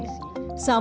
samara menjelaskan bahwa